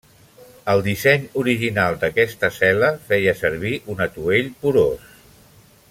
El disseny original d'aquesta cel·la feia servir un atuell porós.